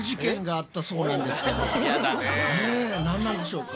何なんでしょうか？